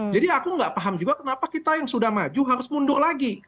jadi aku tidak paham juga kenapa kita yang sudah maju harus mundur lagi